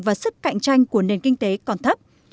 và sức cạnh tranh của nền kinh tế còn thấp